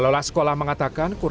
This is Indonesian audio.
tidak ada pendaftar